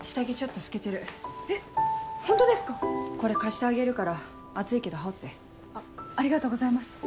川合これ貸してあげるから暑いけど羽織ってありがとうございます